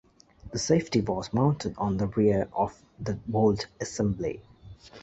The safety was mounted on the rear of the bolt assembly.